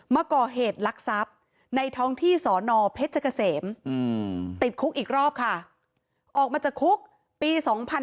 มาก่อเหตุลักษัพในท้องที่สอนอเพชรเกษมติดคุกอีกรอบค่ะออกมาจากคุกปี๒๕๕๙